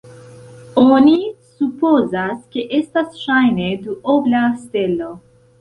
Oni supozas, ke estas ŝajne duobla stelo.